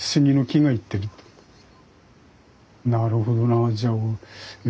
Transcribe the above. なるほどなじゃあう